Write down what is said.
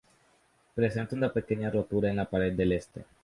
Presenta una pequeña rotura en la pared del este.